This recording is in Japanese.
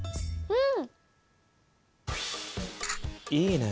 うん？